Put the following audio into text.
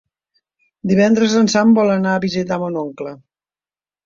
Divendres en Sam vol anar a visitar mon oncle.